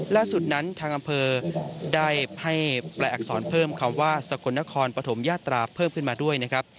ล่าสุดนั้นทางอำเภอได้ให้แปลอักษรเพิ่มคำว่าสกลนครปฐมยาตราเพิ่มขึ้นมาด้วยนะครับ